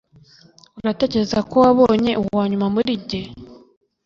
uratekereza ko wabonye uwanyuma muri njye,